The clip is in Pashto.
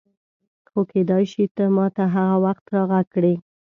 خو کېدای شي ته ما ته هغه وخت راغږ کړې.